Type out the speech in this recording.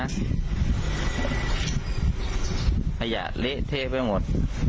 ไอ่าเหละเทพไปหมด